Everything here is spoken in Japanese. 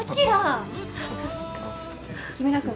木村君